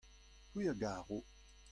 c'hwi a garo.